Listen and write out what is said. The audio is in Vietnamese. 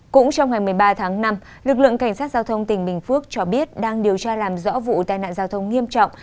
cũng trong ngày một mươi ba tháng năm lực lượng cảnh sát giao thông tỉnh bình phước cho biết đang điều tra làm rõ vụ tai nạn giao thông nghiêm trọng